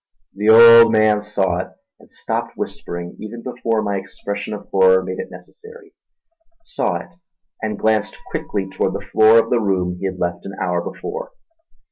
The old man saw it, and stopped whispering even before my expression of horror made it necessary; saw it and glanced quickly toward the floor of the room he had left an hour before.